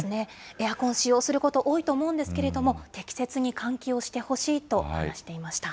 エアコンを使用すること多いと思うんですけれども、適切に換気をしてほしいと話していました。